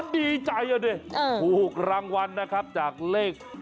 ดีใจนะเนี่ยพูดรางวัลนะครับจากเลข